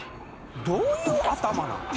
どういう頭なん？